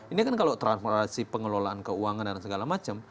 ini kan kalau transparansi pengelolaan keuangan dan segala macam